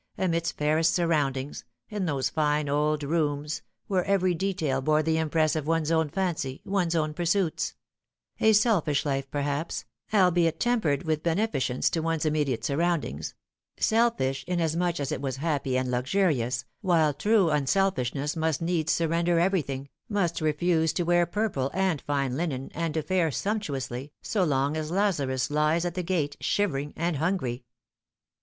amidst fairest surroundings, in those fine old rooms where every detail bore the impress of one's own fancy, one's own pursuits : a selfish life, perhaps, albeit tempered with beneficence to one's immediate surroundings ; selfish inasmuch as it was happy and luxurious, while true unselfishness must needs surrender everything, must refuse to wear purple and fine linen and to fare sumptuously, so long as Lazarus lies at the gate shivering and hungry.